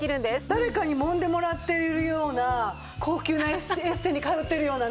誰かにもんでもらっているような高級なエステに通っているようなね